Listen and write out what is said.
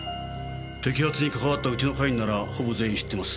摘発にかかわったうちの課員ならほぼ全員知ってます。